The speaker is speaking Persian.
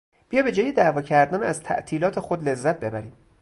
بیا به جای دعوا کردن از تعطیلات خود لذت ببریم!